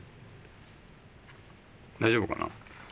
大丈夫かな。